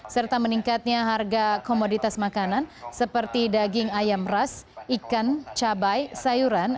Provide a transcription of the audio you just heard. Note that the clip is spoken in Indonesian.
serta meningkatnya harga komoditas makanan seperti daging ayam ras ikan cabai sayuran